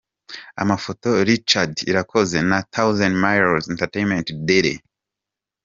Amafoto: Richard Irakoze & Thousand Miles EntertainmentDiddy.